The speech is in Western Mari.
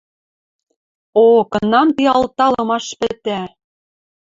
О, кынам ти алталымаш пӹтӓ